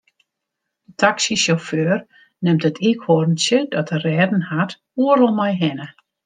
De taksysjauffeur nimt it iikhoarntsje dat er rêden hat oeral mei hinne.